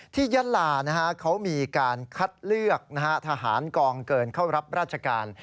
ยะลาเขามีการคัดเลือกทหารกองเกินเข้ารับราชการ